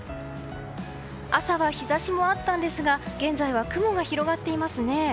朝は日差しもあったんですが現在は雲が広がっていますね。